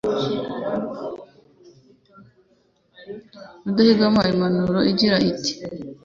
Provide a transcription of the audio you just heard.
Rudahigwa yamuhaye impanuro agira ati “